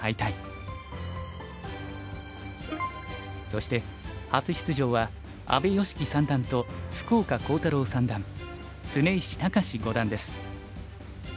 そして初出場は阿部良希三段と福岡航太朗三段常石隆志五段です。